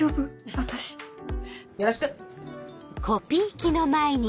私よろしく！